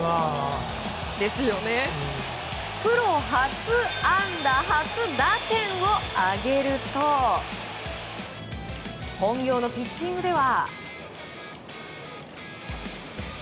プロ初安打初打点を挙げると本業のピッチングでは。